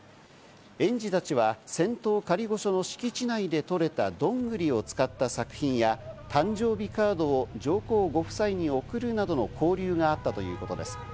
園児たちは仙洞仮御所の敷地内で採れたドングリを使った作品や、誕生日カードを上皇ご夫妻に送るなどの交流があったということです。